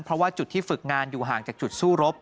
เพราะว่าจุดที่ฝึกงานอยู่ห่างจากจุดสู้รบ